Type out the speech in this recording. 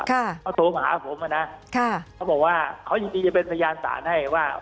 เขาโทรมาหาผมนะเขาบอกว่าเขายังไงจะเป็นสยานสารให้ว่า